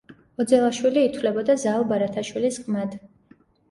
ოძელაშვილი ითვლებოდა ზაალ ბარათაშვილის ყმად.